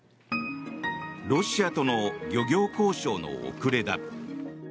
ロシアとの漁業交渉の遅れだ。